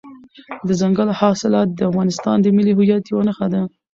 دځنګل حاصلات د افغانستان د ملي هویت یوه نښه ده.